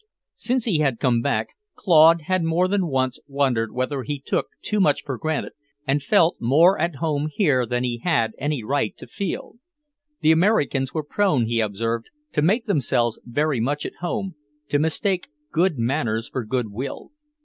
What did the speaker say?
Since he had come back, Claude had more than once wondered whether he took too much for granted and felt more at home here than he had any right to feel. The Americans were prone, he had observed, to make themselves very much at home, to mistake good manners for good will.